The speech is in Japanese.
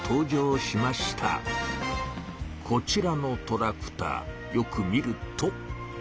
こちらのトラクターよく見ると。